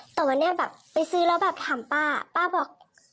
แต่วันนี้แบบไปซื้อแล้วแบบถามป้าป้าบอก